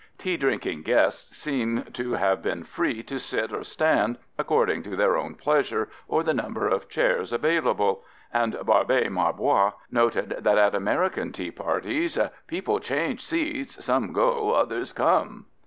Tea drinking guests seem to have been free to sit or stand according to their own pleasure or the number of chairs available, and Barbé Marbois noted that at American tea parties "people change seats, some go, others come."